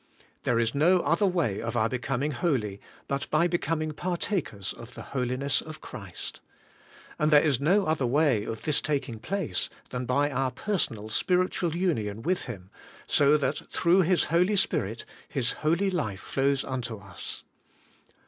There is no other way of our becoming holy, but by becoming partakers of the holiness of Christ. And there is no other way of this taking place than by our personal spiritual union with Him, so that through His Holy Spirit His holy life flows unto us.